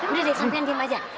udah deh sampein diam aja